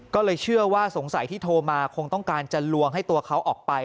ก็เลยเชื่อว่าสงสัยที่โทรมาคงต้องการจะลวงให้ตัวเขาออกไป